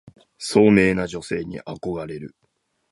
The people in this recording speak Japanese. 聡明な女性に憧れる